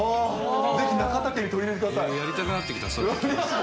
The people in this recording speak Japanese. ぜひ、中田家に取り入れてくやりたくなってきた、それは。